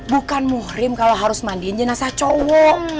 bukan muhrim kalau harus mandiin jenazah cowok